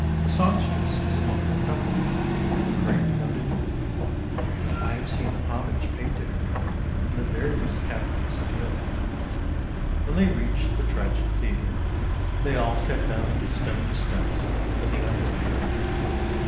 A songstress was among the company, a great and noted one; I have seen the Q 242 ANDERSEN'S FAIRY TALES homage paid to her in the various capitals of Europe. When they reached the tragic theatre, they all sat down on the stone steps of the amphitheatre.